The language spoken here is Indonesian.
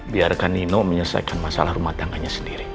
biarkan nino menyelesaikan masalah rumah tangganya sendiri